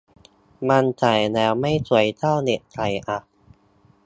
มันใส่แล้วไม่สวยเท่าเด็กใส่อะ